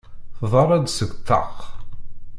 Tḍall-d seg ṭṭaq.